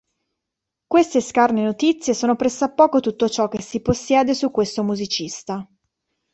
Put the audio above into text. Queste scarne notizie sono pressappoco tutto ciò che si possiede su questo musicista.